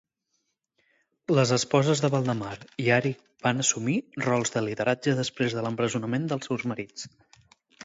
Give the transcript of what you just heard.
Les esposes de Valdemar i Eric van assumir rols de lideratge després de l'empresonament dels seus marits.